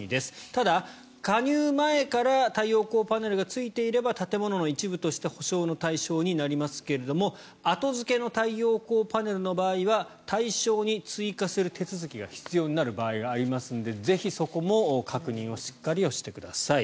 ただ、加入前から太陽光パネルがついていれば建物の一部として補償の対象になりますけれど後付けの太陽光パネルの場合は対象に追加する手続きが必要になる場合がありますのでぜひ、そこも確認をしっかりしてください。